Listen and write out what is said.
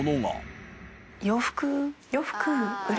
洋服。